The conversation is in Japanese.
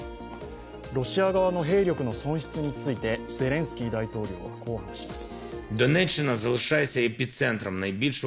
ロシア側の兵力の損失について、ゼレンスキー大統領はこう話します。